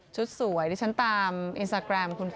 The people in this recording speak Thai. ชุดสวยที่ฉันตามอินสตาแกรมคุณปอย